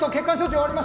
終わりました。